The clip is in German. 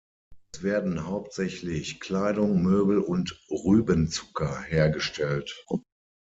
Es werden hauptsächlich Kleidung, Möbel und Rübenzucker hergestellt.